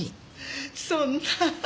そんな。